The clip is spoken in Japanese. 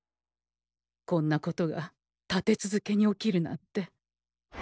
こんなことが立て続けに起きるなんて。